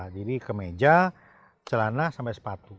jadi kemeja celana sampai sepatu